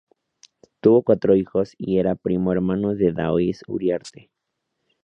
Tuvo cuatro hijos y era primo hermano de Daoiz Uriarte.